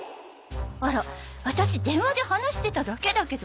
あらワタシ電話で話してただけだけど？